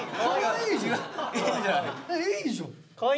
いいじゃん！